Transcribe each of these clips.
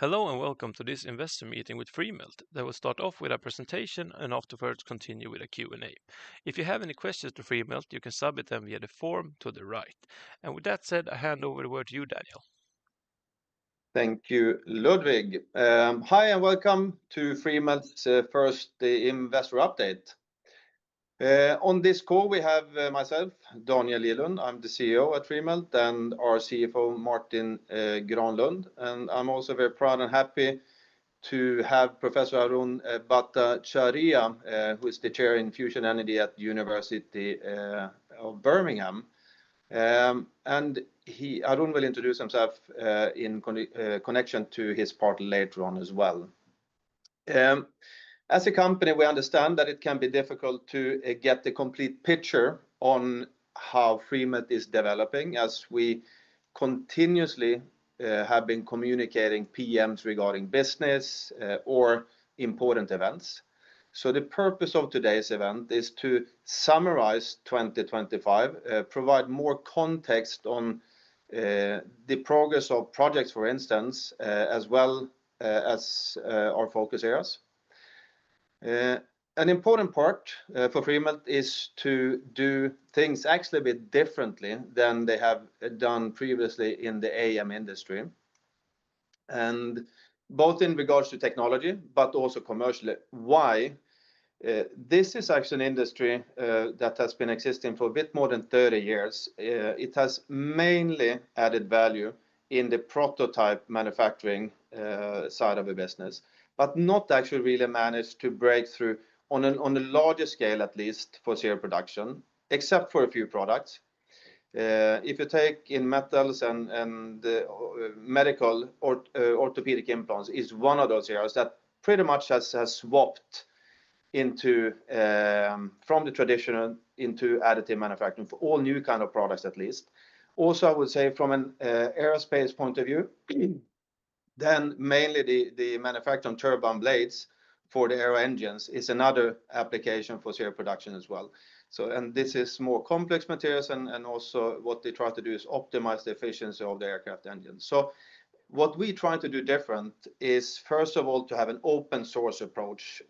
Hello and welcome to this investor meeting with Freemelt. They will start off with a presentation and afterwards continue with a Q&A. If you have any questions to Freemelt, you can submit them via the form to the right. And with that said, I hand over the word to you, Daniel. Thank you, Ludwig. Hi, and welcome to Freemelt's first investor update. On this call, we have myself, Daniel Gidlund. I'm the CEO at Freemelt and our CFO, Martin Granlund, and I'm also very proud and happy to have Professor Arun Bhattacharya, who is the Chair in Fusion Energy at the University of Birmingham, and Arun will introduce himself in connection to his part later on as well. As a company, we understand that it can be difficult to get the complete picture on how Freemelt is developing as we continuously have been communicating PMs regarding business or important events, so the purpose of today's event is to summarize 2025, provide more context on the progress of projects, for instance, as well as our focus areas. An important part for Freemelt is to do things actually a bit differently than they have done previously in the AM industry, and both in regards to technology, but also commercially. Why? This is actually an industry that has been existing for a bit more than 30 years. It has mainly added value in the prototype manufacturing side of the business, but not actually really managed to break through on a larger scale, at least for serial production, except for a few products. If you take in metals and medical orthopedic implants, it's one of those areas that pretty much has swapped from the traditional into additive manufacturing for all new kinds of products, at least. Also, I would say from an aerospace point of view, then mainly the manufacturing turbine blades for the aero engines is another application for serial production as well, and this is more complex materials. And also what they try to do is optimize the efficiency of the aircraft engines. So what we're trying to do different is, first of all, to have an open source approach.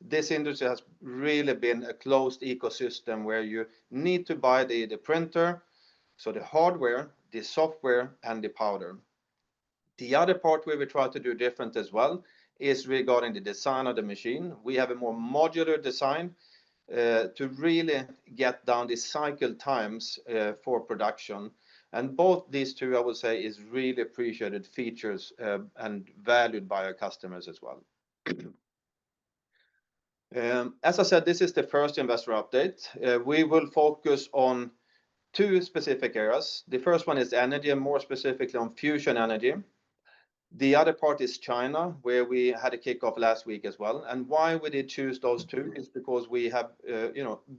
This industry has really been a closed ecosystem where you need to buy the printer, so the hardware, the software, and the powder. The other part where we try to do different as well is regarding the design of the machine. We have a more modular design to really get down the cycle times for production. And both these two, I would say, are really appreciated features and valued by our customers as well. As I said, this is the first investor update. We will focus on two specific areas. The first one is energy, and more specifically on fusion energy. The other part is China, where we had a kickoff last week as well. Why we did choose those two is because we have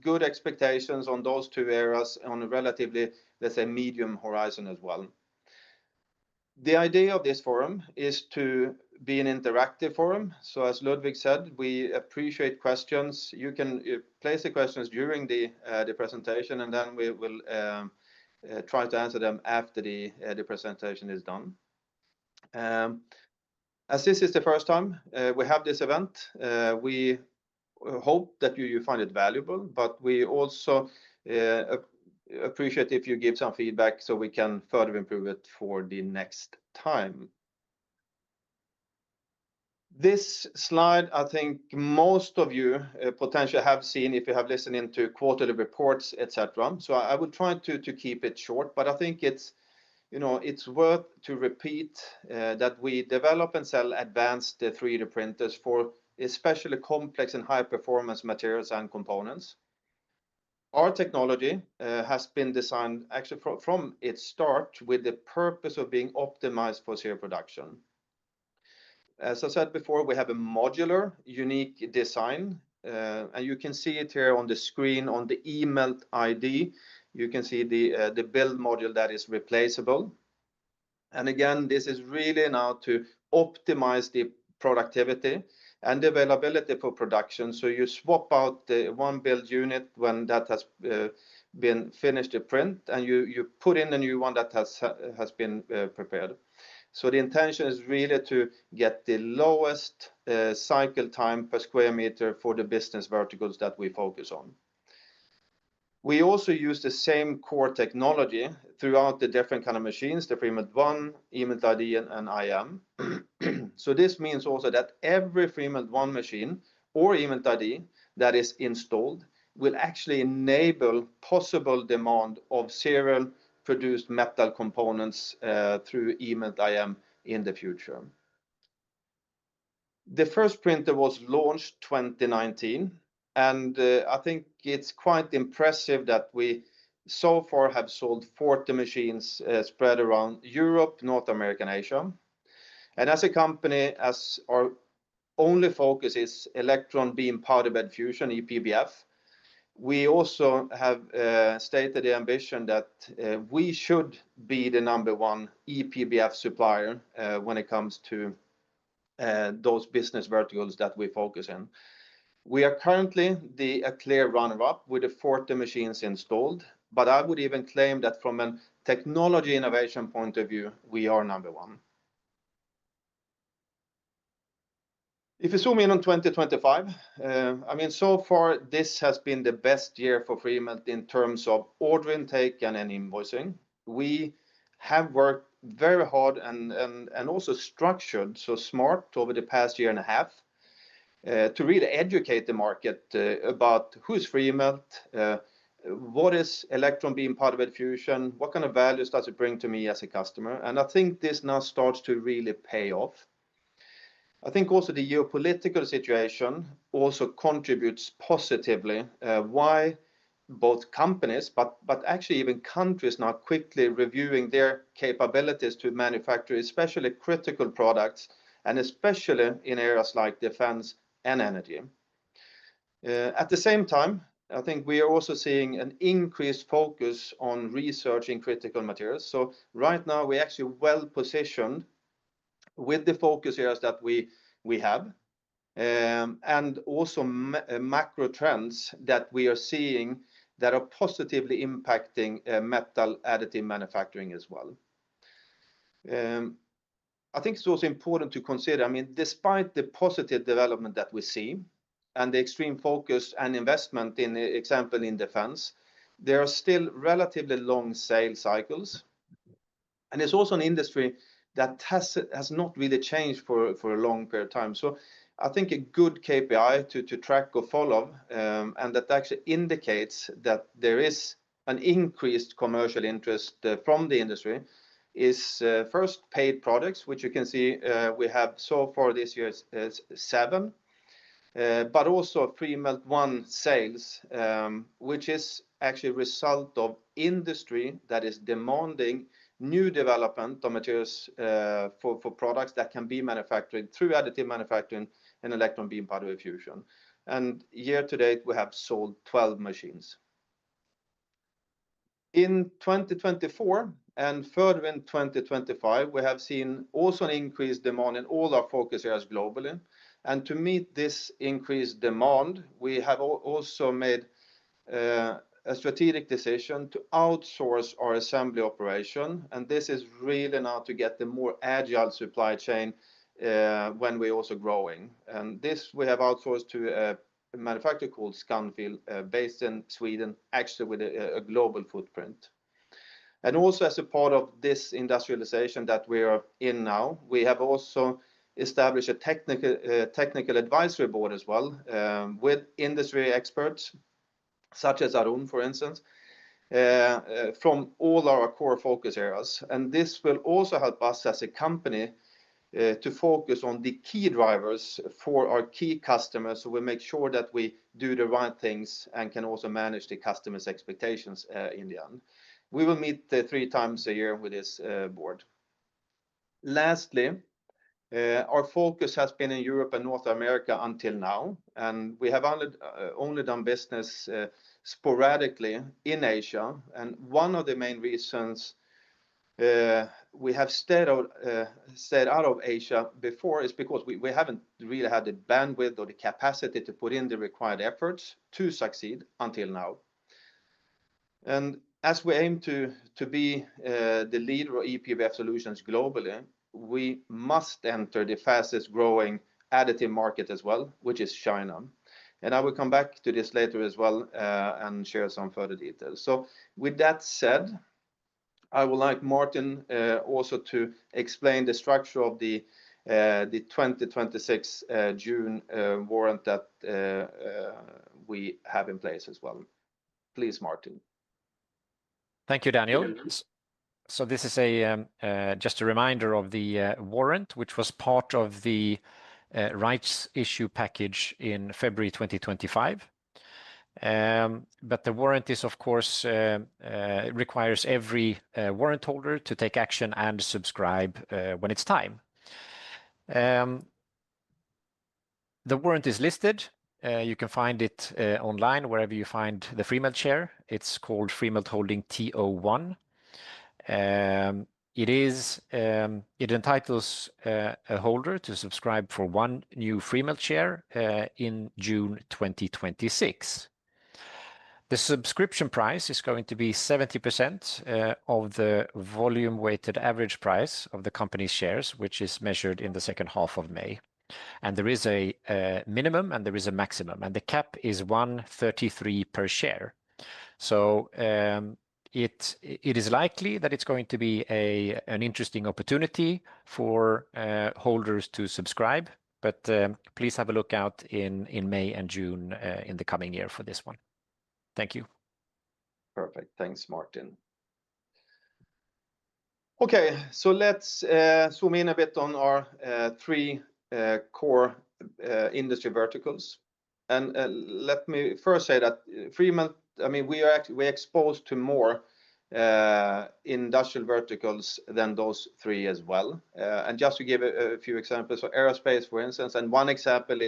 good expectations on those two areas on a relatively, let's say, medium horizon as well. The idea of this forum is to be an interactive forum. So as Ludwig said, we appreciate questions. You can place the questions during the presentation, and then we will try to answer them after the presentation is done. As this is the first time we have this event, we hope that you find it valuable, but we also appreciate if you give some feedback so we can further improve it for the next time. This slide, I think most of you potentially have seen if you have listened into quarterly reports, et cetera. So I would try to keep it short, but I think it's worth to repeat that we develop and sell advanced 3D printers for especially complex and high performance materials and components. Our technology has been designed actually from its start with the purpose of being optimized for serial production. As I said before, we have a modular unique design, and you can see it here on the screen on the eMELT-iD. You can see the build module that is replaceable. And again, this is really now to optimize the productivity and availability for production. So you swap out one build unit when that has been finished to print, and you put in a new one that has been prepared. So the intention is really to get the lowest cycle time per square meter for the business verticals that we focus on. We also use the same core technology throughout the different kinds of machines, the Freemelt ONE, eMELT-iD, and iM. So this means also that every Freemelt ONE machine or eMELT-iD that is installed will actually enable possible demand of serial produced metal components through eMELT-iM in the future. The first printer was launched in 2019, and I think it's quite impressive that we so far have sold 40 machines spread around Europe, North America, and Asia. As a company, our only focus is electron beam powder bed fusion, E-PBF. We also have stated the ambition that we should be the number one E-PBF supplier when it comes to those business verticals that we focus on. We are currently a clear runner-up with the 40 machines installed, but I would even claim that from a technology innovation point of view, we are number one. If you zoom in on 2025, I mean, so far this has been the best year for Freemelt in terms of order intake and invoicing. We have worked very hard and also structured so smart over the past year and a half to really educate the market about who's Freemelt, what is electron beam powder bed fusion, what kind of values does it bring to me as a customer. I think this now starts to really pay off. I think also the geopolitical situation also contributes positively. With both companies, but actually even countries now quickly reviewing their capabilities to manufacture especially critical products and especially in areas like defense and energy. At the same time, I think we are also seeing an increased focus on researching critical materials. Right now we're actually well positioned with the focus areas that we have and also macro trends that we are seeing that are positively impacting metal additive manufacturing as well. I think it's also important to consider, I mean, despite the positive development that we see and the extreme focus and investment, for example, in defense, there are still relatively long sales cycles. It's also an industry that has not really changed for a long period of time. So, I think a good KPI to track or follow and that actually indicates that there is an increased commercial interest from the industry is first paid products, which you can see we have so far this year is seven, but also Freemelt ONE sales, which is actually a result of industry that is demanding new development of materials for products that can be manufactured through additive manufacturing and electron beam powder bed fusion, and year to date, we have sold 12 machines. In 2024 and further in 2025, we have seen also an increased demand in all our focus areas globally, and to meet this increased demand, we have also made a strategic decision to outsource our assembly operation, and this is really now to get the more agile supply chain when we're also growing. This we have outsourced to a manufacturer called Scanfil based in Sweden, actually with a global footprint. Also as a part of this industrialization that we are in now, we have also established a technical advisory board as well with industry experts such as Arun, for instance, from all our core focus areas. This will also help us as a company to focus on the key drivers for our key customers. We make sure that we do the right things and can also manage the customer's expectations in the end. We will meet three times a year with this board. Lastly, our focus has been in Europe and North America until now, and we have only done business sporadically in Asia. And one of the main reasons we have stayed out of Asia before is because we haven't really had the bandwidth or the capacity to put in the required efforts to succeed until now. And as we aim to be the leader of E-PBF solutions globally, we must enter the fastest growing additive market as well, which is China. And I will come back to this later as well and share some further details. So with that said, I would like Martin also to explain the structure of the 2026 June warrant that we have in place as well. Please, Martin. Thank you, Daniel. So this is just a reminder of the warrant, which was part of the rights issue package in February 2025. But the warrant is, of course, requires every warrant holder to take action and subscribe when it's time. The warrant is listed. You can find it online wherever you find the Freemelt share. It's called Freemelt Holding TO1. It entitles a holder to subscribe for one new Freemelt share in June 2026. The subscription price is going to be 70% of the volume weighted average price of the company's shares, which is measured in the second half of May. And there is a minimum and there is a maximum, and the cap is 1.33 per share. So it is likely that it's going to be an interesting opportunity for holders to subscribe. But please have a look out in May and June in the coming year for this one. Thank you. Perfect. Thanks, Martin.Okay, so let's zoom in a bit on our three core industry verticals. And let me first say that Freemelt, I mean, we are exposed to more industrial verticals than those three as well. And just to give a few examples of aerospace, for instance, and one example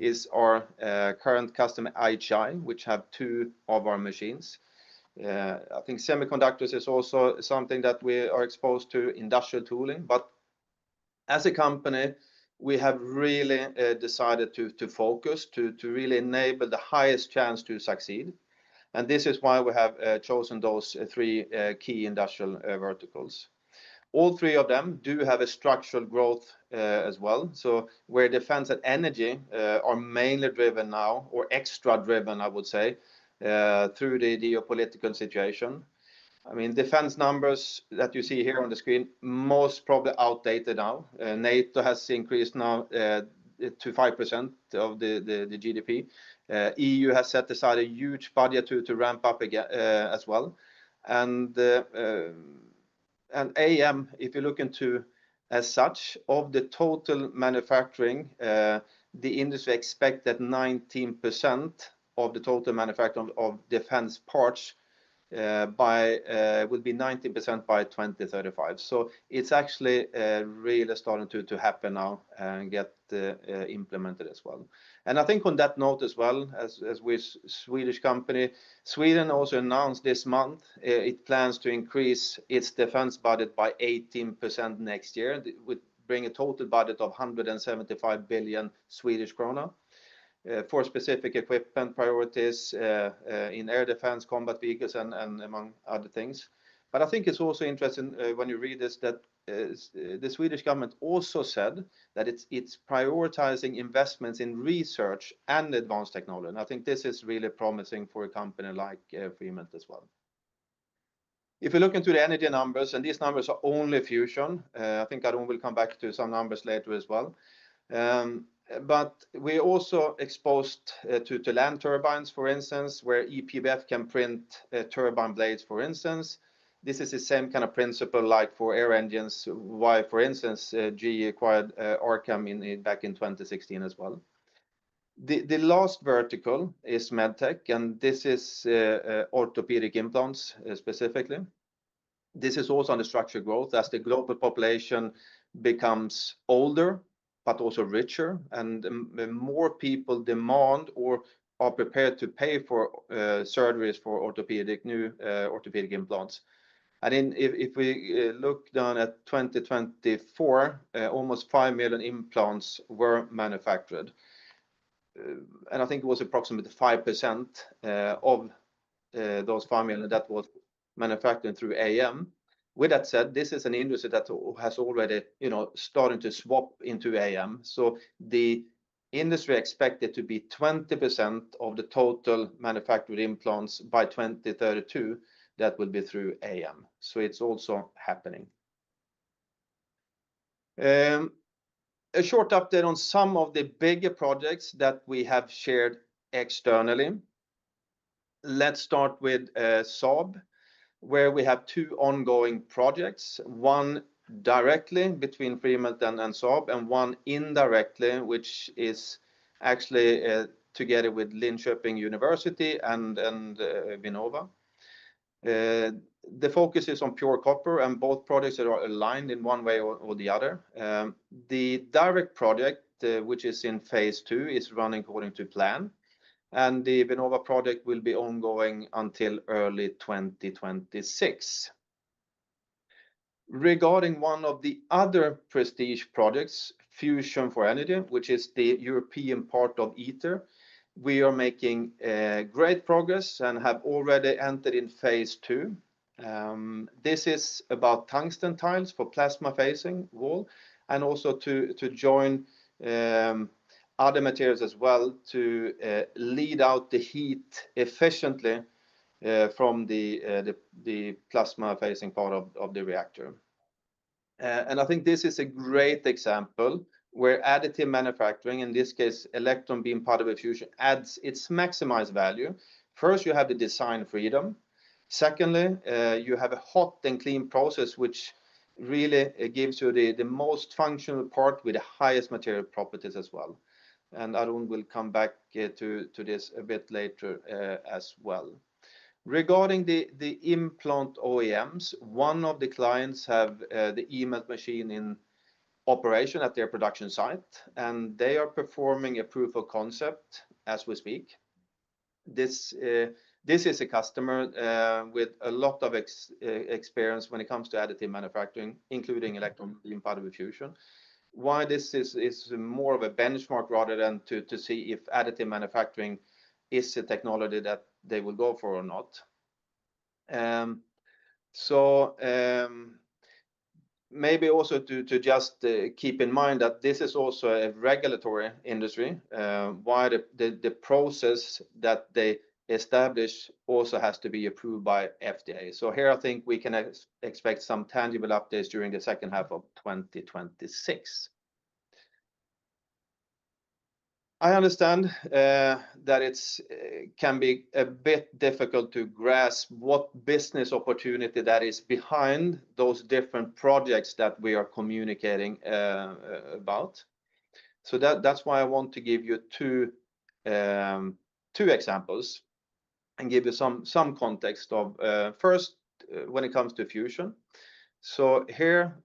is our current customer IHI, which have two of our machines. I think semiconductors is also something that we are exposed to, industrial tooling. But as a company, we have really decided to focus to really enable the highest chance to succeed. And this is why we have chosen those three key industrial verticals. All three of them do have a structural growth as well. So where defense and energy are mainly driven now, or extra driven, I would say, through the geopolitical situation. I mean, defense numbers that you see here on the screen are most probably outdated now. NATO has increased now to 5% of the GDP. The EU has set aside a huge budget to ramp up as well. And AM, if you look into as such of the total manufacturing, the industry expects that 19% of the total manufacturing of defense parts will be 90% by 2035. So it's actually really starting to happen now and get implemented as well. And I think on that note as well, as we're a Swedish company, Sweden also announced this month it plans to increase its defense budget by 18% next year, which would bring a total budget of 175 billion Swedish krona for specific equipment priorities in air defense, combat vehicles, and among other things. But I think it's also interesting when you read this that the Swedish government also said that it's prioritizing investments in research and advanced technology. I think this is really promising for a company like Freemelt as well. If you look into the energy numbers, and these numbers are only fusion, I think Arun will come back to some numbers later as well. But we're also exposed to land turbines, for instance, where E-PBF can print turbine blades, for instance. This is the same kind of principle like for aircraft engines, why, for instance, GE acquired Arcam back in 2016 as well. The last vertical is medtech, and this is orthopedic implants specifically. This is also on the strong growth as the global population becomes older, but also richer, and more people demand or are prepared to pay for surgeries for new orthopedic implants. If we look down at 2024, almost 5 million implants were manufactured. I think it was approximately 5% of those 5 million that were manufactured through AM. With that said, this is an industry that has already started to swap into AM. The industry expected to be 20% of the total manufactured implants by 2032 that will be through AM. It's also happening. A short update on some of the bigger projects that we have shared externally. Let's start with Saab, where we have two ongoing projects, one directly between Freemelt and Saab and one indirectly, which is actually together with Linköping University and Vinnova. The focus is on pure copper, and both projects are aligned in one way or the other. The direct project, which is in phase two, is running according to plan, and the Vinnova project will be ongoing until early 2026. Regarding one of the other prestige projects, Fusion for Energy, which is the European part of ITER, we are making great progress and have already entered in phase two. This is about tungsten tiles for plasma-facing wall and also to join other materials as well to lead out the heat efficiently from the plasma-facing part of the reactor. I think this is a great example where additive manufacturing, in this case, electron beam powder bed fusion, adds its maximized value. First, you have the design freedom. Secondly, you have a hot and clean process, which really gives you the most functional part with the highest material properties as well. Arun will come back to this a bit later as well. Regarding the implant OEMs, one of the clients has the eMELT machine in operation at their production site, and they are performing a proof of concept as we speak. This is a customer with a lot of experience when it comes to additive manufacturing, including electron beam powder bed fusion. Why, this is more of a benchmark rather than to see if additive manufacturing is the technology that they will go for or not. So maybe also to just keep in mind that this is also a regulatory industry, why the process that they establish also has to be approved by FDA. So here, I think we can expect some tangible updates during the second half of 2026. I understand that it can be a bit difficult to grasp what business opportunity that is behind those different projects that we are communicating about. So that's why I want to give you two examples and give you some context of first, when it comes to fusion. So here,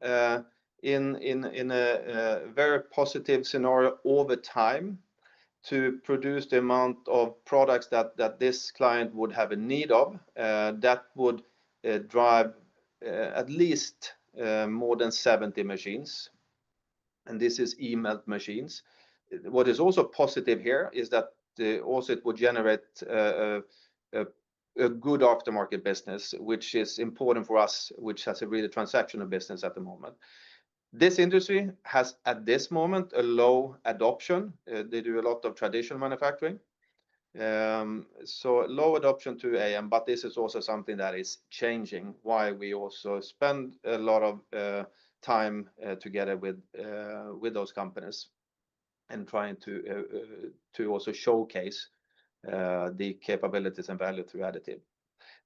in a very positive scenario over time to produce the amount of products that this client would have a need of, that would drive at least more than 70 machines. And this is eMELT machines. What is also positive here is that also it would generate a good aftermarket business, which is important for us, which has a really transactional business at the moment. This industry has at this moment a low adoption. They do a lot of traditional manufacturing. So low adoption to AM, but this is also something that is changing, why we also spend a lot of time together with those companies and trying to also showcase the capabilities and value through additive.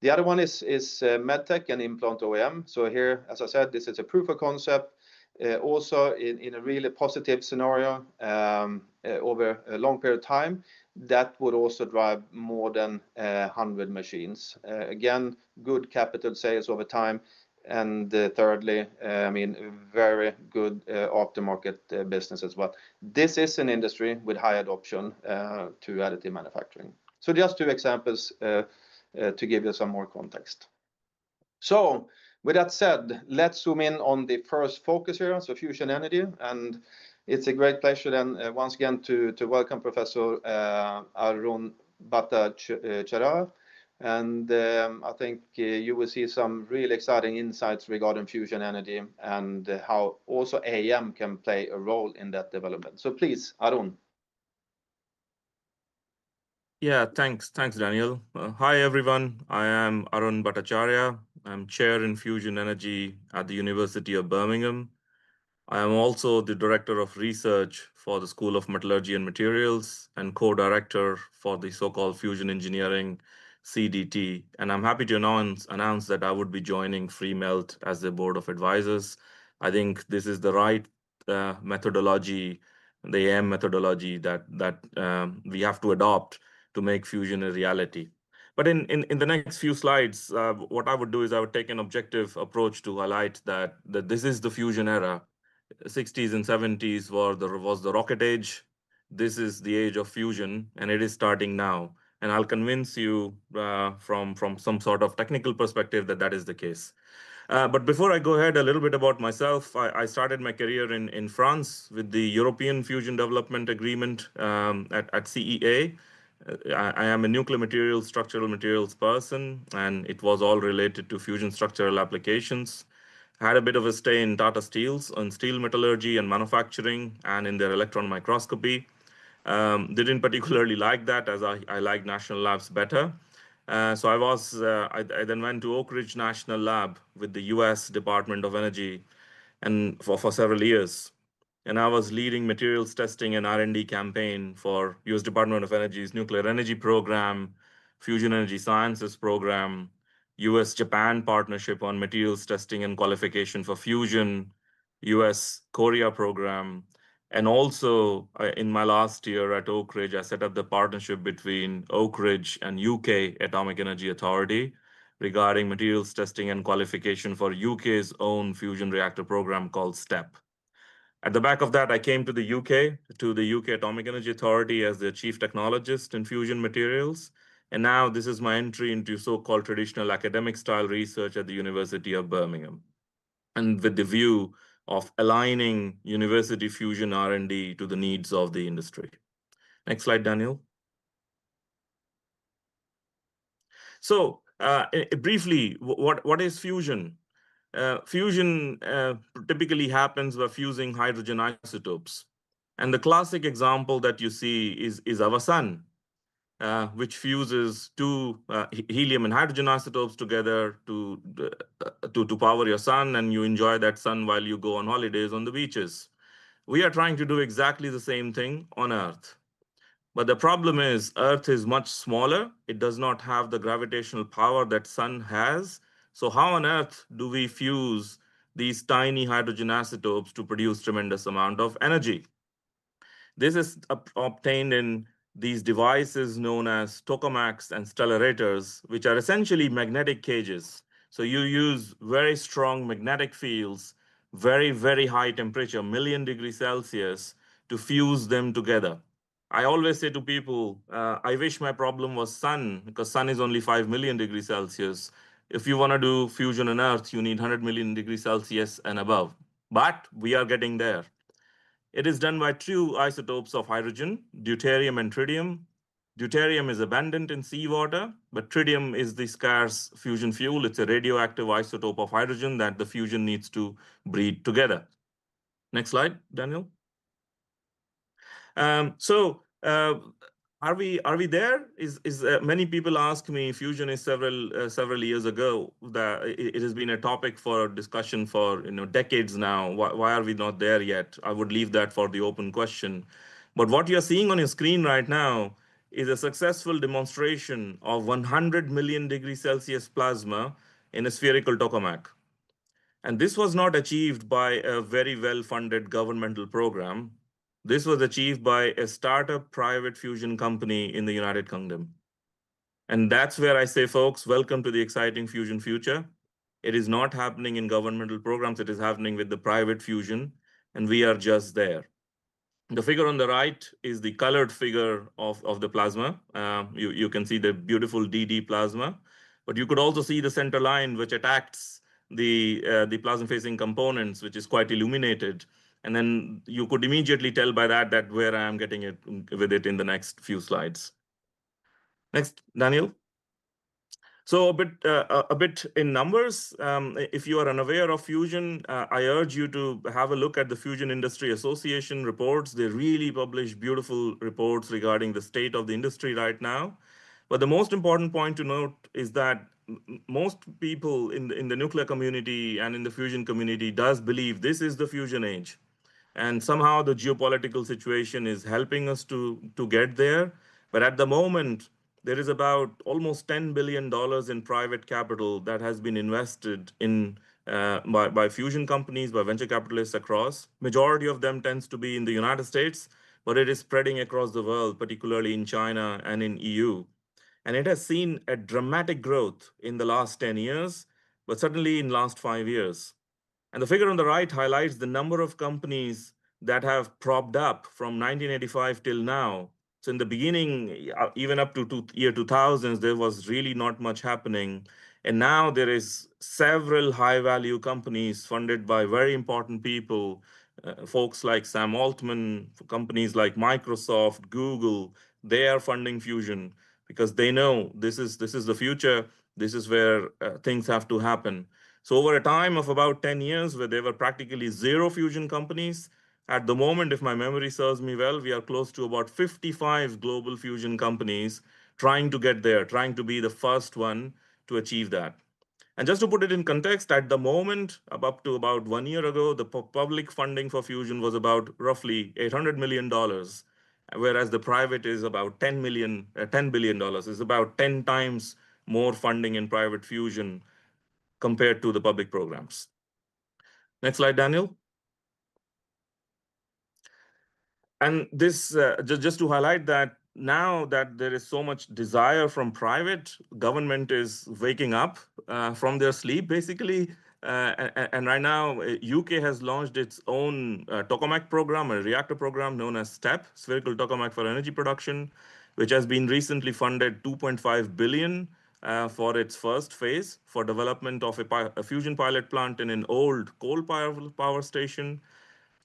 The other one is medtech and implant OEM. So here, as I said, this is a proof of concept. Also in a really positive scenario over a long period of time, that would also drive more than 100 machines. Again, good capital sales over time. And thirdly, I mean, very good aftermarket business as well. This is an industry with high adoption to additive manufacturing. So just two examples to give you some more context. So with that said, let's zoom in on the first focus area, so fusion energy. And it's a great pleasure then once again to welcome Professor Arun Bhattacharya. And I think you will see some really exciting insights regarding fusion energy and how also AM can play a role in that development. So please, Arun. Yeah, thanks, Daniel. Hi everyone. I am Arun Bhattacharya. I'm Chair in Fusion Energy at the University of Birmingham. I am also the Director of Research for the School of Metallurgy and Materials and co-director for the so-called fusion engineering CDT. And I'm happy to announce that I would be joining Freemelt as the board of advisors. I think this is the right methodology, the AM methodology that we have to adopt to make fusion a reality. But in the next few slides, what I would do is I would take an objective approach to highlight that this is the fusion era. The 1960s and 1970s were the rocket age. This is the age of fusion, and it is starting now. And I'll convince you from some sort of technical perspective that that is the case. But before I go ahead a little bit about myself, I started my career in France with the European Fusion Development Agreement at CEA. I am a nuclear materials, structural materials person, and it was all related to fusion structural applications. I had a bit of a stay in Tata Steel on steel metallurgy and manufacturing and in their electron microscopy. Didn't particularly like that as I like national labs better. So I then went to Oak Ridge National Laboratory with the U.S. Department of Energy for several years, and I was leading materials testing and R&D campaign for U.S. Department of Energy's nuclear energy program, fusion energy sciences program, U.S.-Japan partnership on materials testing and qualification for fusion, U.S.-Korea program. And also in my last year at Oak Ridge, I set up the partnership between Oak Ridge and UK Atomic Energy Authority regarding materials testing and qualification for UK's own fusion reactor program called STEP. At the back of that, I came to the UK, to the UK Atomic Energy Authority as the chief technologist in fusion materials. And now this is my entry into so-called traditional academic style research at the University of Birmingham and with the view of aligning university fusion R&D to the needs of the industry. Next slide, Daniel. So briefly, what is fusion? Fusion typically happens by fusing hydrogen isotopes. And the classic example that you see is our sun, which fuses two helium and hydrogen isotopes together to power your sun, and you enjoy that sun while you go on holidays on the beaches. We are trying to do exactly the same thing on Earth. But the problem is Earth is much smaller. It does not have the gravitational power that sun has. So how on Earth do we fuse these tiny hydrogen isotopes to produce a tremendous amount of energy? This is obtained in these devices known as tokamaks and stellarators, which are essentially magnetic cages. So you use very strong magnetic fields, very, very high temperature, million degrees Celsius to fuse them together. I always say to people, I wish my problem was sun because sun is only five million degrees Celsius. If you want to do fusion on Earth, you need 100 million degrees Celsius and above. But we are getting there. It is done by two isotopes of hydrogen, deuterium and tritium. Deuterium is abundant in seawater, but tritium is the scarce fusion fuel. It's a radioactive isotope of hydrogen that the fusion needs to breed together. Next slide, Daniel. So are we there? Many people ask me fusion several years ago that it has been a topic for discussion for decades now. Why are we not there yet? I would leave that for the open question. But what you're seeing on your screen right now is a successful demonstration of 100 million degrees Celsius plasma in a spherical tokamak. And this was not achieved by a very well-funded governmental program. This was achieved by a startup private fusion company in the United Kingdom. And that's where I say, folks, welcome to the exciting fusion future. It is not happening in governmental programs. It is happening with the private fusion, and we are just there. The figure on the right is the colored figure of the plasma. You can see the beautiful DD plasma. But you could also see the center line which attacks the plasma-facing components, which is quite illuminated. And then you could immediately tell by that that where I am getting it with it in the next few slides. Next, Daniel. So a bit in numbers, if you are unaware of fusion, I urge you to have a look at the Fusion Industry Association reports. They really publish beautiful reports regarding the state of the industry right now. But the most important point to note is that most people in the nuclear community and in the fusion community do believe this is the fusion age. And somehow the geopolitical situation is helping us to get there. But at the moment, there is about almost $10 billion in private capital that has been invested by fusion companies, by venture capitalists across. The majority of them tends to be in the United States, but it is spreading across the world, particularly in China and in the EU. It has seen a dramatic growth in the last 10 years, but certainly in the last five years. The figure on the right highlights the number of companies that have popped up from 1985 till now. In the beginning, even up to the year 2000, there was really not much happening. Now there are several high-value companies funded by very important people, folks like Sam Altman, companies like Microsoft, Google. They are funding fusion because they know this is the future. This is where things have to happen. So over a time of about 10 years where there were practically zero fusion companies, at the moment, if my memory serves me well, we are close to about 55 global fusion companies trying to get there, trying to be the first one to achieve that. And just to put it in context, at the moment, up to about one year ago, the public funding for fusion was about roughly $800 million, whereas the private is about $10 billion. It's about 10 times more funding in private fusion compared to the public programs. Next slide, Daniel. And just to highlight that now that there is so much desire from private, government is waking up from their sleep, basically. And right now, the U.K. has launched its own tokamak program, a reactor program known as STEP, Spherical Tokamak for Energy Production, which has been recently funded $2.5 billion for its first phase for development of a fusion pilot plant in an old coal power station.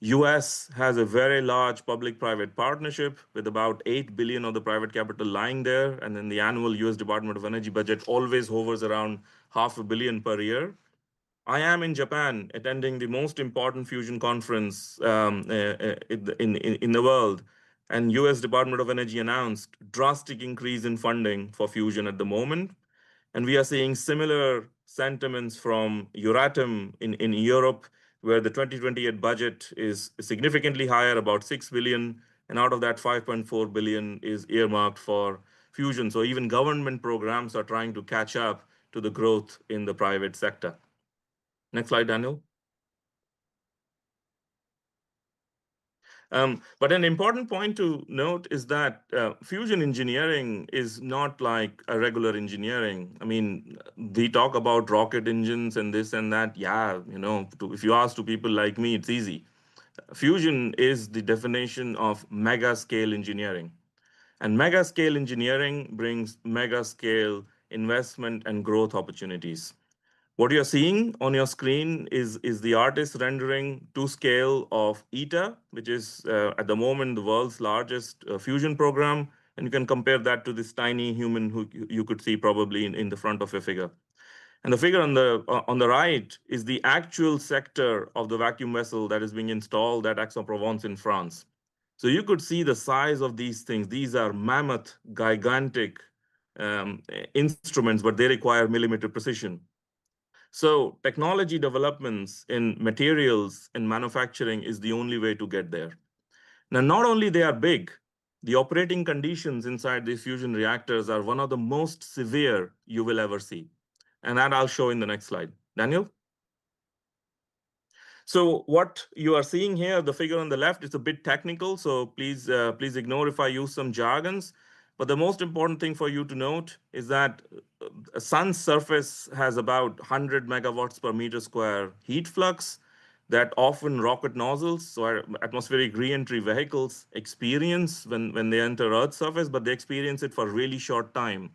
The U.S. has a very large public-private partnership with about $8 billion of the private capital lying there. And then the annual U.S. Department of Energy budget always hovers around $500 million per year. I am in Japan attending the most important fusion conference in the world. And the U.S. Department of Energy announced a drastic increase in funding for fusion at the moment. And we are seeing similar sentiments from Euratom in Europe, where the 2028 budget is significantly higher, about $6 billion. And out of that, $5.4 billion is earmarked for fusion. So even government programs are trying to catch up to the growth in the private sector. Next slide, Daniel. But an important point to note is that fusion engineering is not like regular engineering. I mean, we talk about rocket engines and this and that. Yeah, if you ask two people like me, it's easy. Fusion is the definition of megascale engineering. And megascale engineering brings megascale investment and growth opportunities. What you're seeing on your screen is the artist's rendering to scale of ITER, which is at the moment the world's largest fusion program. And you can compare that to this tiny human who you could see probably in the front of your figure. And the figure on the right is the actual sector of the vacuum vessel that is being installed at Aix-en-Provence in France. So you could see the size of these things. These are mammoth, gigantic instruments, but they require millimeter precision. So technology developments in materials and manufacturing is the only way to get there. Now, not only are they big, the operating conditions inside these fusion reactors are one of the most severe you will ever see. And that I'll show in the next slide. Daniel? So what you are seeing here, the figure on the left, it's a bit technical. So please ignore if I use some jargons. But the most important thing for you to note is that the sun's surface has about 100 megawatts per meter square heat flux that often rocket nozzles, so atmospheric re-entry vehicles experience when they enter Earth's surface, but they experience it for a really short time.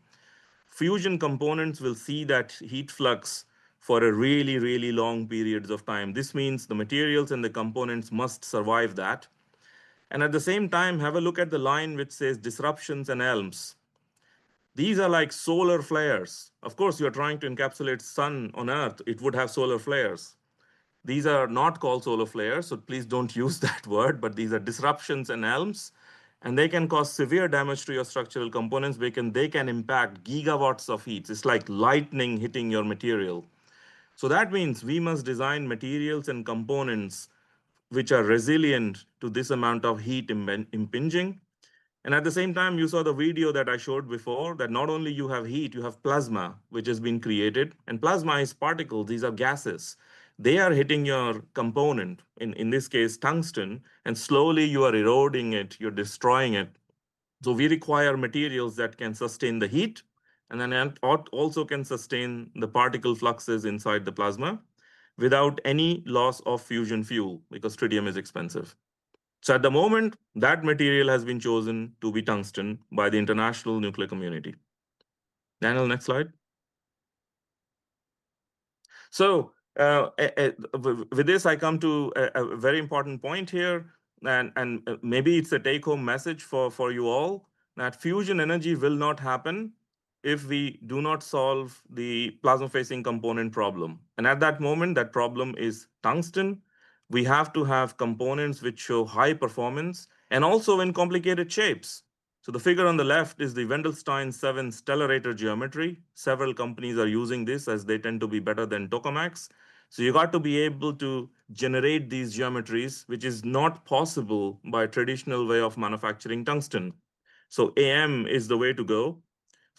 Fusion components will see that heat flux for really, really long periods of time. This means the materials and the components must survive that. At the same time, have a look at the line which says disruptions and ELMs. These are like solar flares. Of course, you're trying to encapsulate the sun on Earth. It would have solar flares. These are not called solar flares, so please don't use that word, but these are disruptions and ELMs. They can cause severe damage to your structural components. They can impact gigawatts of heat. It's like lightning hitting your material. So that means we must design materials and components which are resilient to this amount of heat impinging. At the same time, you saw the video that I showed before that not only do you have heat, you have plasma, which has been created. Plasma is particles. These are gases. They are hitting your component, in this case, tungsten, and slowly you are eroding it. You're destroying it. So we require materials that can sustain the heat and then also can sustain the particle fluxes inside the plasma without any loss of fusion fuel because tritium is expensive. So at the moment, that material has been chosen to be tungsten by the international nuclear community. Daniel, next slide. So with this, I come to a very important point here. And maybe it's a take-home message for you all that fusion energy will not happen if we do not solve the plasma-facing component problem. And at that moment, that problem is tungsten. We have to have components which show high performance and also in complicated shapes. So the figure on Wendelstein 7-X stellarator geometry. several companies are using this as they tend to be better than tokamaks. You got to be able to generate these geometries, which is not possible by a traditional way of manufacturing tungsten. AM is the way to go.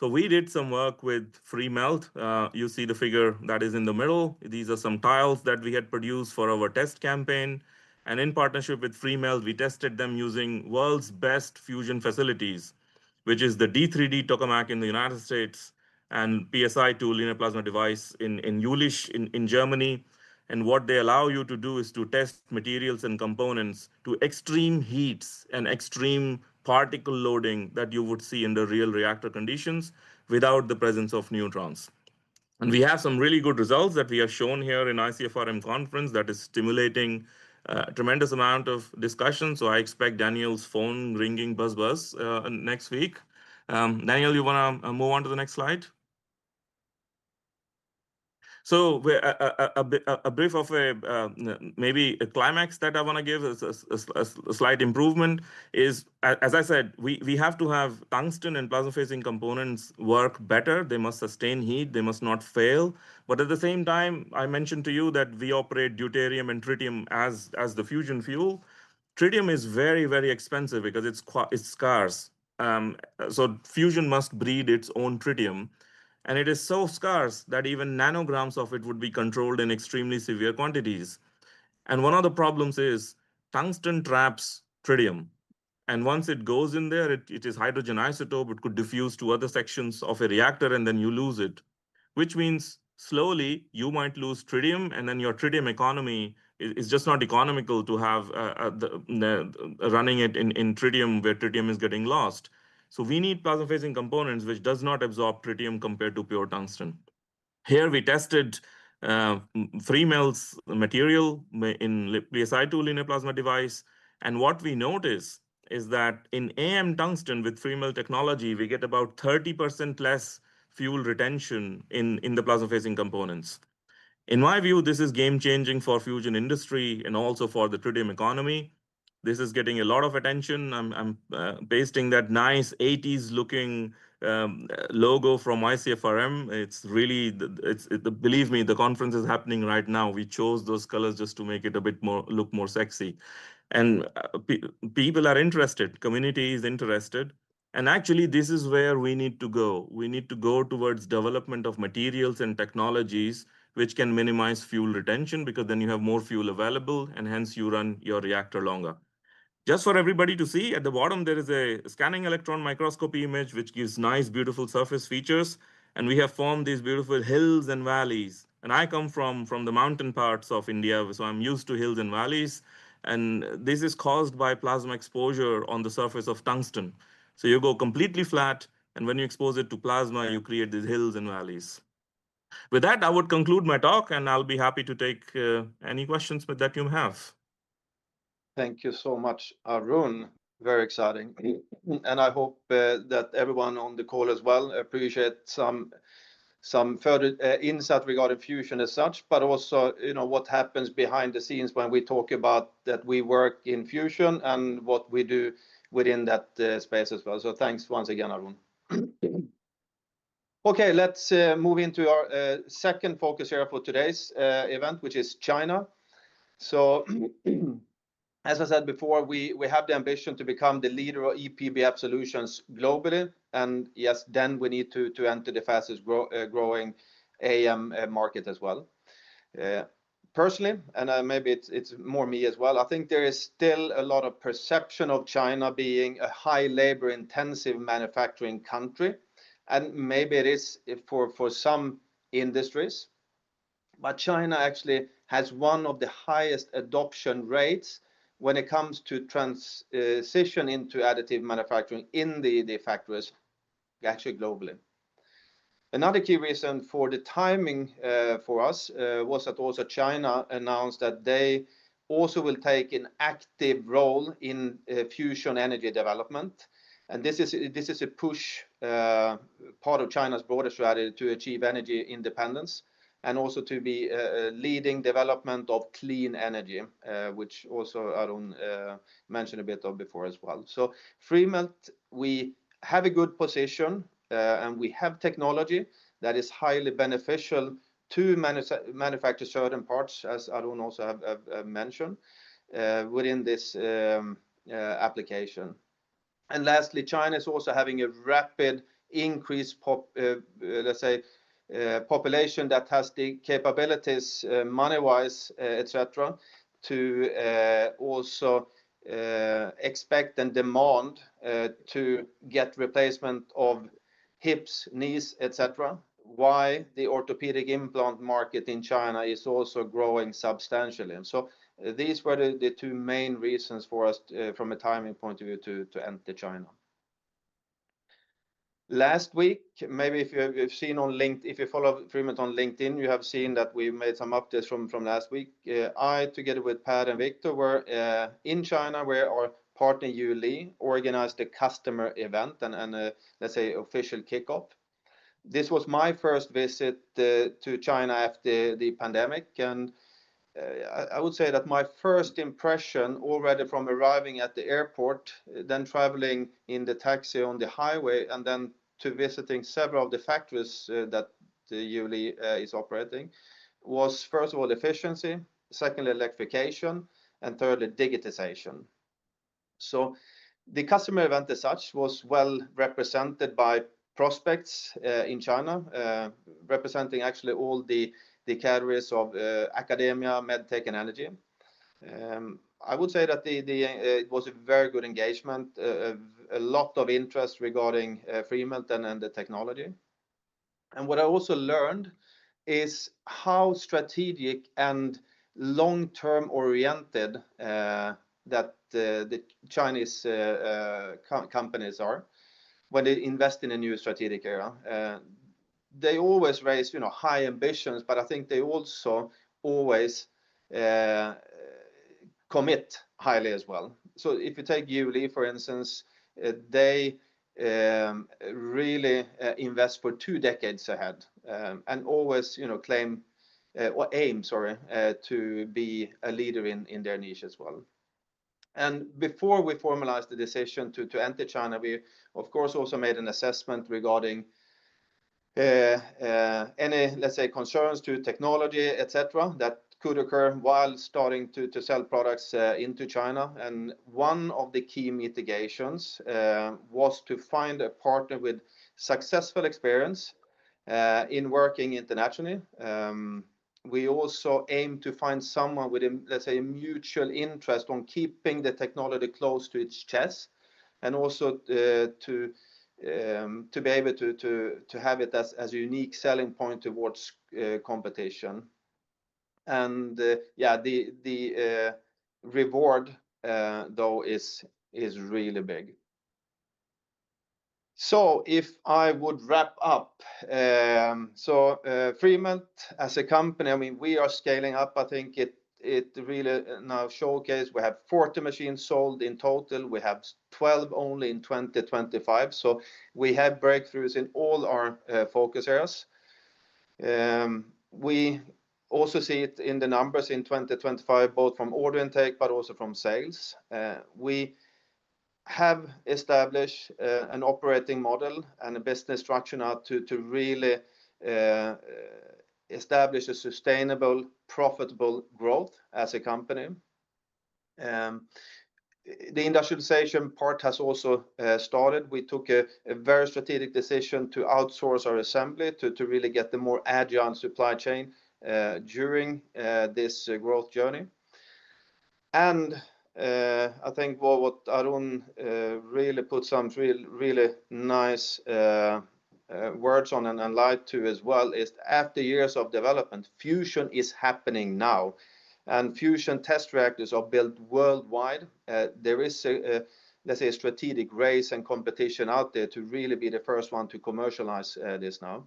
We did some work with Freemelt. You see the figure that is in the middle. These are some tiles that we had produced for our test campaign. In partnership with Freemelt, we tested them using the world's best fusion facilities, which is the DIII-D tokamak in the United States and PSI-2 in a plasma device in Jülich in Germany. What they allow you to do is to test materials and components to extreme heats and extreme particle loading that you would see in the real reactor conditions without the presence of neutrons. We have some really good results that we have shown here in ICFRM Conference that is stimulating a tremendous amount of discussion. So I expect Daniel's phone ringing buzz-buzz next week. Daniel, you want to move on to the next slide? A brief of maybe a climax that I want to give is a slight improvement is, as I said, we have to have tungsten and plasma-facing components work better. They must sustain heat. They must not fail. But at the same time, I mentioned to you that we operate deuterium and tritium as the fusion fuel. Tritium is very, very expensive because it's scarce. So fusion must breed its own tritium. And it is so scarce that even nanograms of it would be controlled in extremely severe quantities. And one of the problems is tungsten traps tritium. And once it goes in there, it is hydrogen isotope. It could diffuse to other sections of a reactor, and then you lose it, which means slowly you might lose tritium. And then your tritium economy is just not economical to have running it in tritium where tritium is getting lost. So we need plasma-facing components, which do not absorb tritium compared to pure tungsten. Here we tested Freemelt's material in PSI-2 in a plasma device. And what we notice is that in AM tungsten with Freemelt technology, we get about 30% less fuel retention in the plasma-facing components. In my view, this is game-changing for the fusion industry and also for the tritium economy. This is getting a lot of attention. I'm pasting that nice '80s-looking logo from ICFRM. It's really, believe me, the conference is happening right now. We chose those colors just to make it look more sexy. And people are interested. Community is interested. And actually, this is where we need to go. We need to go towards the development of materials and technologies which can minimize fuel retention because then you have more fuel available, and hence you run your reactor longer. Just for everybody to see, at the bottom, there is a scanning electron microscopy image, which gives nice, beautiful surface features. And we have formed these beautiful hills and valleys. And I come from the mountain parts of India, so I'm used to hills and valleys. And this is caused by plasma exposure on the surface of tungsten. So you go completely flat. And when you expose it to plasma, you create these hills and valleys. With that, I would conclude my talk, and I'll be happy to take any questions that you may have. Thank you so much, Arun. Very exciting. And I hope that everyone on the call as well appreciates some further insight regarding fusion as such, but also what happens behind the scenes when we talk about that we work in fusion and what we do within that space as well. So thanks once again, Arun. Okay, let's move into our second focus area for today's event, which is China. So as I said before, we have the ambition to become the leader of E-PBF solutions globally. And yes, then we need to enter the fastest-growing AM market as well. Personally, and maybe it's more me as well, I think there is still a lot of perception of China being a high-labor-intensive manufacturing country. And maybe it is for some industries. But China actually has one of the highest adoption rates when it comes to transition into additive manufacturing in the factories, actually globally. Another key reason for the timing for us was that also China announced that they also will take an active role in fusion energy development. And this is a huge part of China's broader strategy to achieve energy independence and also to be leading development of clean energy, which also Arun mentioned a bit of before as well. So Freemelt, we have a good position, and we have technology that is highly beneficial to manufacture certain parts, as Arun also mentioned, within this application. And lastly, China is also having a rapid increase, let's say, population that has the capabilities money-wise, etc., to also expect and demand to get replacement of hips, knees, etc., which is why the orthopedic implant market in China is also growing substantially. And so these were the two main reasons for us, from a timing point of view, to enter China. Last week, maybe if you've seen on LinkedIn, if you follow Freemelt on LinkedIn, you have seen that we made some updates from last week. I, together with Pat and Viktor, were in China where our partner,, organized the customer event and, let's say, official kickoff. This was my first visit to China after the pandemic, and I would say that my first impression already from arriving at the airport, then traveling in the taxi on the highway, and then to visiting several of the factories that FHZL is operating was, first of all, efficiency, secondly, electrification, and thirdly, digitization, so the customer event as such was well represented by prospects in China, representing actually all the carriers of academia, medtech, and energy. I would say that it was a very good engagement, a lot of interest regarding Freemelt and the technology. What I also learned is how strategic and long-term oriented the Chinese companies are when they invest in a new strategic area. They always raise high ambitions, but I think they also always commit highly as well. So if you take FHZL, for instance, they really invest for two decades ahead and always claim or aim, sorry, to be a leader in their niche as well. Before we formalized the decision to enter China, we, of course, also made an assessment regarding any, let's say, concerns to technology, etc., that could occur while starting to sell products into China. One of the key mitigations was to find a partner with successful experience in working internationally. We also aimed to find someone with, let's say, a mutual interest on keeping the technology close to its chest and also to be able to have it as a unique selling point towards competition. Yeah, the reward, though, is really big. If I would wrap up, Freemelt as a company, I mean, we are scaling up. I think it really now showcased. We have 40 machines sold in total. We have 12 only in 2025. We have breakthroughs in all our focus areas. We also see it in the numbers in 2025, both from order intake, but also from sales. We have established an operating model and a business structure now to really establish a sustainable, profitable growth as a company. The industrialization part has also started. We took a very strategic decision to outsource our assembly to really get a more agile supply chain during this growth journey. I think what Arun really put some really nice words on and shed light on as well is after years of development, fusion is happening now. Fusion test reactors are built worldwide. There is, let's say, a strategic race and competition out there to really be the first one to commercialize this now.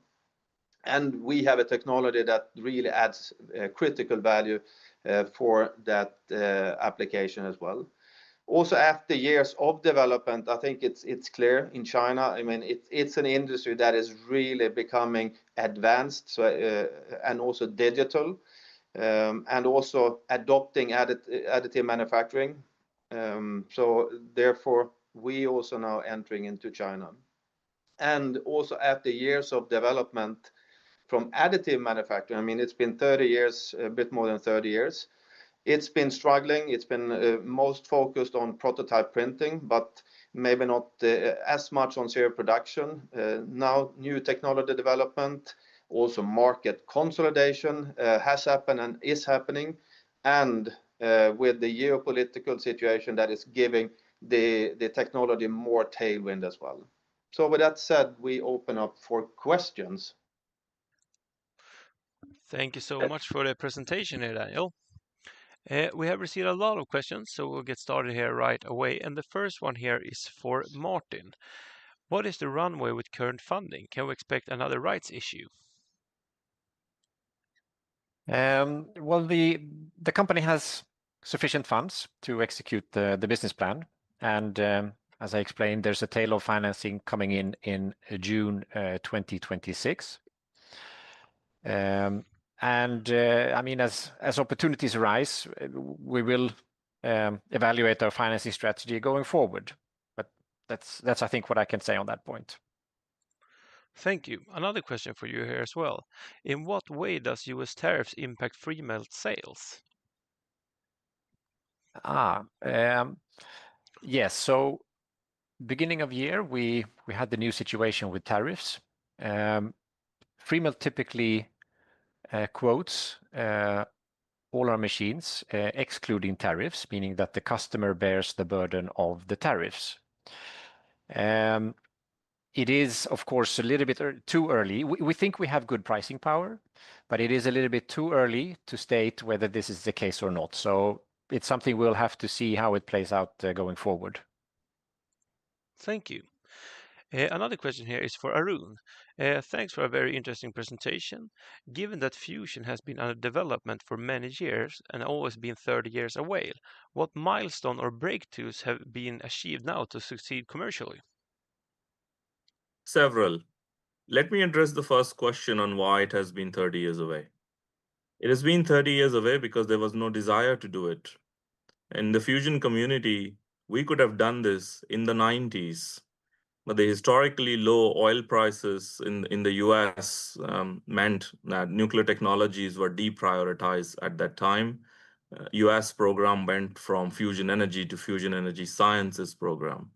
We have a technology that really adds critical value for that application as well. Also, after years of development, I think it's clear in China. I mean, it's an industry that is really becoming advanced and also digital and also adopting additive manufacturing. So therefore, we also now are entering into China. Also, after years of development from additive manufacturing, I mean, it's been 30 years, a bit more than 30 years. It's been struggling. It's been most focused on prototype printing, but maybe not as much on serial production. Now, new technology development, also market consolidation has happened and is happening. And with the geopolitical situation that is giving the technology more tailwind as well. So with that said, we open up for questions. Thank you so much for the presentation here, Daniel. We have received a lot of questions, so we'll get started here right away. And the first one here is for Martin. What is the runway with current funding? Can we expect another rights issue? Well, the company has sufficient funds to execute the business plan. And as I explained, there's a tail of financing coming in in June 2026. And I mean, as opportunities arise, we will evaluate our financing strategy going forward. But that's, I think, what I can say on that point. Thank you. Another question for you here as well. In what way does U.S. tariffs impact Freemelt sales? Yes. So beginning of year, we had the new situation with tariffs. Freemelt typically quotes all our machines, excluding tariffs, meaning that the customer bears the burden of the tariffs. It is, of course, a little bit too early. We think we have good pricing power, but it is a little bit too early to state whether this is the case or not. So it's something we'll have to see how it plays out going forward. Thank you. Another question here is for Arun. Thanks for a very interesting presentation. Given that fusion has been a development for many years and always been 30 years away, what milestone or breakthroughs have been achieved now to succeed commercially? Several. Let me address the first question on why it has been 30 years away.It has been 30 years away because there was no desire to do it. In the fusion community, we could have done this in the 1990s. But the historically low oil prices in the U.S. meant that nuclear technologies were deprioritized at that time. U.S. program went from fusion energy to fusion energy sciences program.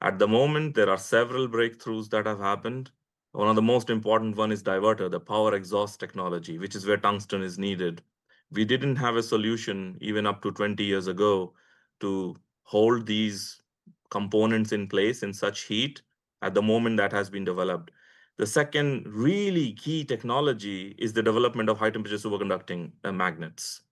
At the moment, there are several breakthroughs that have happened. One of the most important ones is divertor, the power exhaust technology, which is where tungsten is needed. We didn't have a solution even up to 20 years ago to hold these components in place in such heat at the moment that has been developed. The second really key technology is the development of high-temperature superconducting magnets.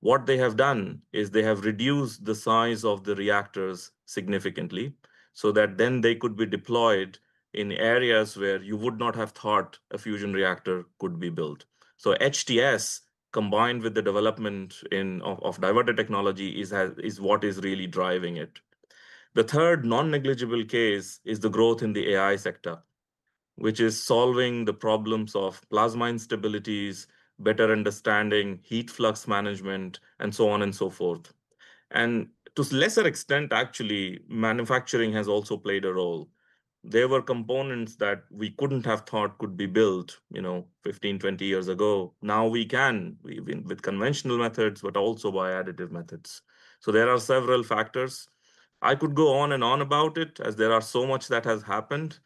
What they have done is they have reduced the size of the reactors significantly so that then they could be deployed in areas where you would not have thought a fusion reactor could be built. So HTS, combined with the development of divertor technology, is what is really driving it. The third non-negligible case is the growth in the AI sector, which is solving the problems of plasma instabilities, better understanding heat flux management, and so on and so forth. And to lesser extent, actually, manufacturing has also played a role. There were components that we couldn't have thought could be built 15, 20 years ago. Now we can with conventional methods, but also by additive methods. So there are several factors. I could go on and on about it as there are so much that has happened.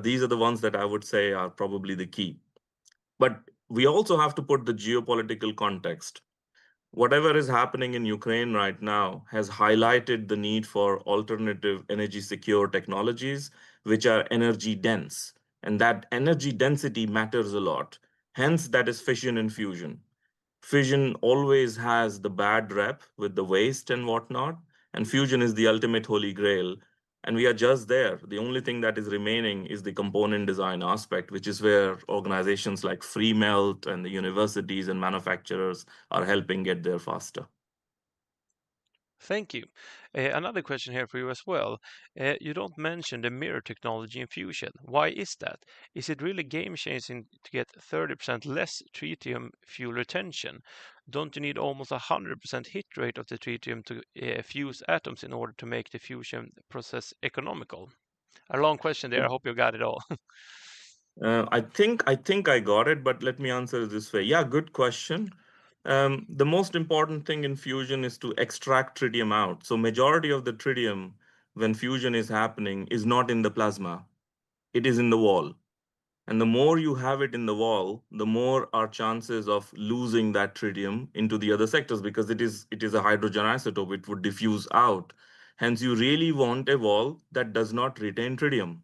These are the ones that I would say are probably the key. But we also have to put the geopolitical context. Whatever is happening in Ukraine right now has highlighted the need for alternative energy-secure technologies, which are energy dense. And that energy density matters a lot. Hence, that is fission and fusion. Fission always has the bad rep with the waste and whatnot. And fusion is the ultimate holy grail. And we are just there. The only thing that is remaining is the component design aspect, which is where organizations like Freemelt and the universities and manufacturers are helping get there faster. Thank you. Another question here for you as well. You don't mention the mirror technology in fusion. Why is that? Is it really game-changing to get 30% less tritium fuel retention? Don't you need almost 100% hit rate of the tritium to fuse atoms in order to make the fusion process economical? A long question there.I hope you got it all. I think I got it, but let me answer it this way. Yeah, good question. The most important thing in fusion is to extract tritium out. So majority of the tritium when fusion is happening is not in the plasma. It is in the wall. And the more you have it in the wall, the more are chances of losing that tritium into the other sectors because it is a hydrogen isotope it would diffuse out. Hence, you really want a wall that does not retain tritium.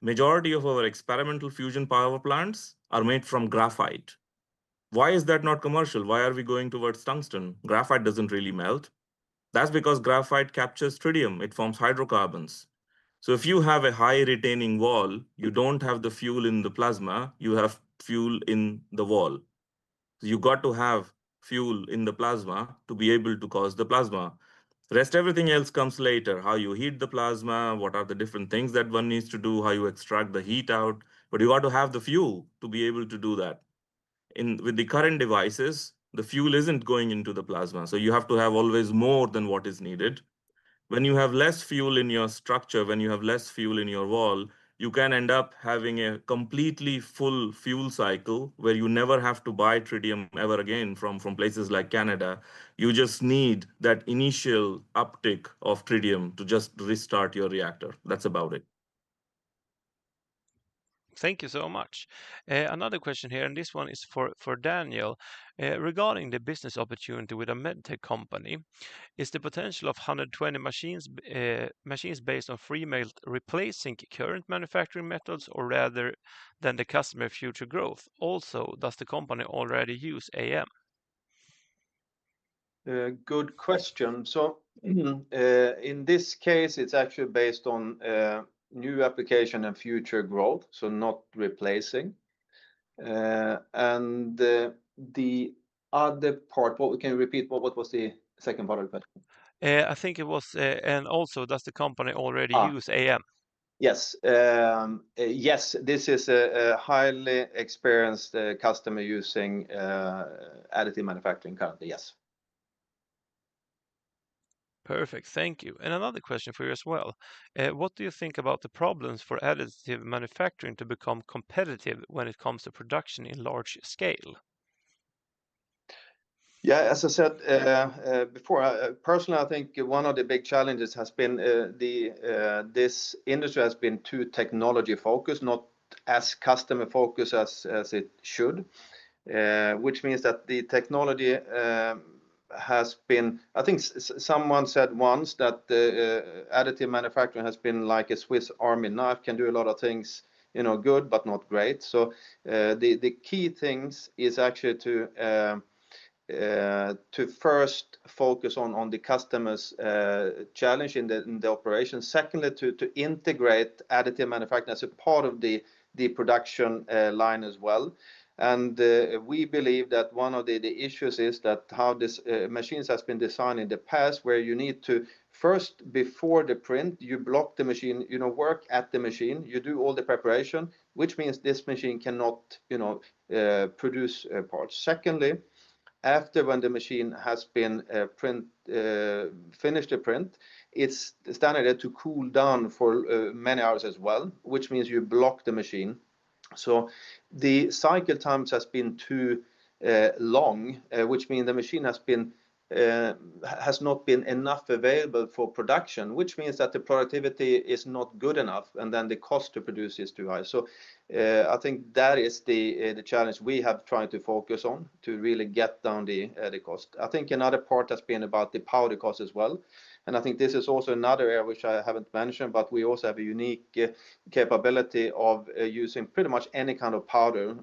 Majority of our experimental fusion power plants are made from graphite. Why is that not commercial? Why are we going towards tungsten? Graphite doesn't really melt. That's because graphite captures tritium. It forms hydrocarbons. So if you have a high-retaining wall, you don't have the fuel in the plasma. You have fuel in the wall. You've got to have fuel in the plasma to be able to cause the plasma. Rest everything else comes later. How you heat the plasma, what are the different things that one needs to do, how you extract the heat out. But you've got to have the fuel to be able to do that. With the current devices, the fuel isn't going into the plasma. So you have to have always more than what is needed. When you have less fuel in your structure, when you have less fuel in your wall, you can end up having a completely full fuel cycle where you never have to buy tritium ever again from places like Canada. You just need that initial uptick of tritium to just restart your reactor. That's about it. Thank you so much. Another question here, and this one is for Daniel, regarding the business opportunity with a medtech company. Is the potential of 120 machines based on Freemelt replacing current manufacturing methods or rather than the customer future growth? Also, does the company already use AM? Good question. So in this case, it's actually based on new application and future growth, so not replacing. And the other part, what can you repeat? What was the second part of the question? I think it was, and also, does the company already use AM? Yes. Yes, this is a highly experienced customer using additive manufacturing currently, yes. Perfect. Thank you. And another question for you as well. What do you think about the problems for additive manufacturing to become competitive when it comes to production in large scale? Yeah, as I said before, personally, I think one of the big challenges has been this industry has been too technology-focused, not as customer-focused as it should, which means that the technology has been, I think someone said once that additive manufacturing has been like a Swiss army knife, can do a lot of things good, but not great. So the key thing is actually to first focus on the customer's challenge in the operation. Secondly, to integrate additive manufacturing as a part of the production line as well. And we believe that one of the issues is that how these machines have been designed in the past, where you need to first, before the print, you block the machine, you don't work at the machine, you do all the preparation, which means this machine cannot produce parts. Secondly, after when the machine has finished the print, it's standard to cool down for many hours as well, which means you block the machine. So the cycle times have been too long, which means the machine has not been enough available for production, which means that the productivity is not good enough, and then the cost to produce is too high. So I think that is the challenge we have tried to focus on to really get down the cost. I think another part has been about the powder cost as well. And I think this is also another area which I haven't mentioned, but we also have a unique capability of using pretty much any kind of powder.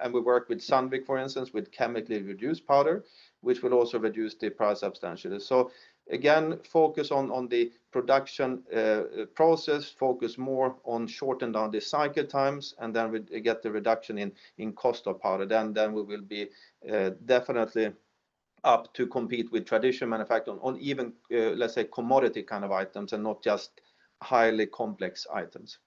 And we work with Sandvik, for instance, with chemically reduced powder, which will also reduce the price substantially. So again, focus on the production process, focus more on shorten down the cycle times, and then we get the reduction in cost of powder. Then we will be definitely up to compete with traditional manufacturing on even, let's say, commodity kind of items and not just highly complex items.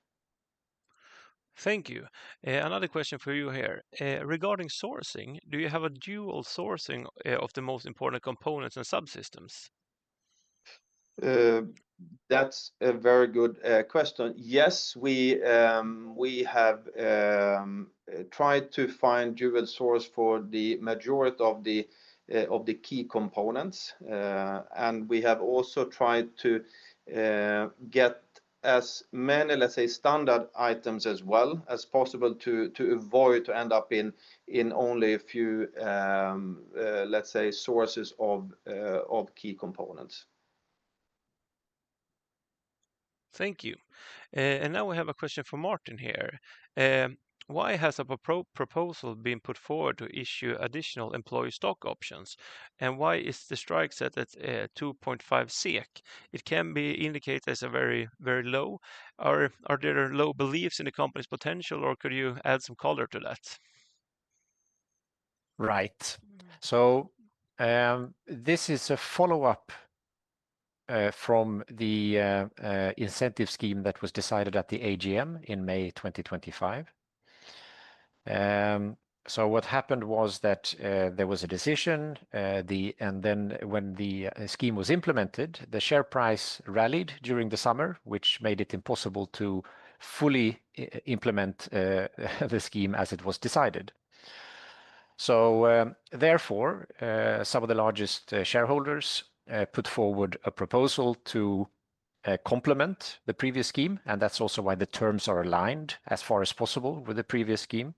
Thank you. Another question for you here. Regarding sourcing, do you have a dual sourcing of the most important components and subsystems? That's a very good question. Yes, we have tried to find dual source for the majority of the key components. And we have also tried to get as many, let's say, standard items as well as possible to avoid to end up in only a few, let's say, sources of key components. Thank you. And now we have a question from Martin here. Why has a proposal been put forward to issue additional employee stock options? And why is the strike set at 2.5 SEK? It can be indicated as a very, very low. Are there low beliefs in the company's potential, or could you add some color to that? Right. So this is a follow-up from the incentive scheme that was decided at the AGM in May 2024. So what happened was that there was a decision, and then when the scheme was implemented, the share price rallied during the summer, which made it impossible to fully implement the scheme as it was decided. So therefore, some of the largest shareholders put forward a proposal to complement the previous scheme. And that's also why the terms are aligned as far as possible with the previous scheme.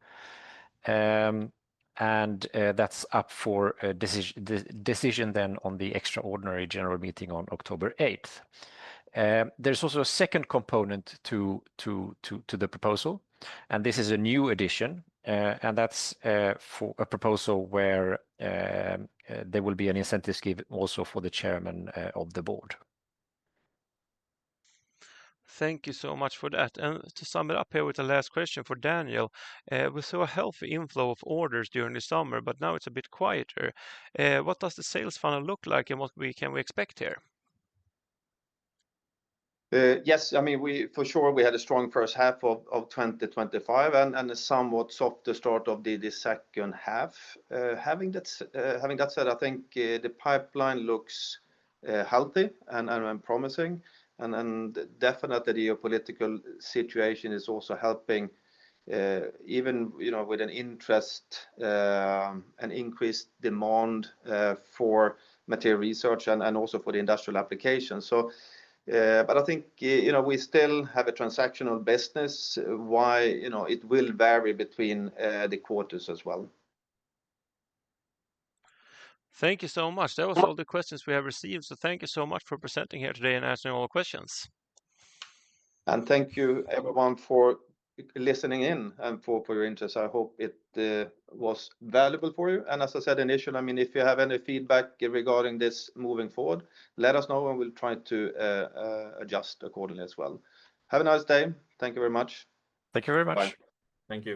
And that's up for a decision then on the Extraordinary General Meeting on October 8th. There's also a second component to the proposal. And this is a new addition. That's a proposal where there will be an incentive scheme also for the chairman of the board. Thank you so much for that. To sum it up here with the last question for Daniel, we saw a healthy inflow of orders during the summer, but now it's a bit quieter. What does the sales funnel look like and what can we expect here? Yes, I mean, for sure, we had a strong first half of 2024 and a somewhat softer start of the second half. Having that said, I think the pipeline looks healthy and promising. Definitely, the geopolitical situation is also helping even with an interest and increased demand for material research and also for the industrial application. I think we still have a transactional business. Why it will vary between the quarters as well. Thank you so much. That was all the questions we have received. So thank you so much for presenting here today and answering all questions. And thank you, everyone, for listening in and for your interest. I hope it was valuable for you. And as I said initially, I mean, if you have any feedback regarding this moving forward, let us know and we'll try to adjust accordingly as well. Have a nice day. Thank you very much. Thank you very much. Thank you.